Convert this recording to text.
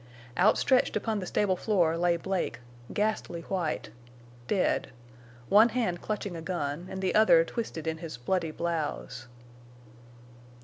Outstretched upon the stable floor lay Blake, ghastly white—dead—one hand clutching a gun and the other twisted in his bloody blouse.